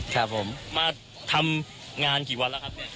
ข้าพอมาทำงานกี่วันแล้วครับ